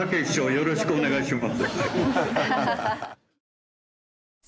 よろしくお願いします。